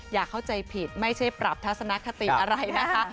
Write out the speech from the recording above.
อย่าเข้าใจผิดไม่ใช่ปรับทัศนคติอะไรนะคะ